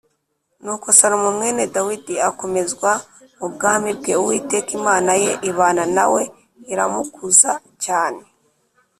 “nuko salomo mwene dawidi akomezwa mu bwami bwe, uwiteka imana ye ibana na we, iramukuza cyane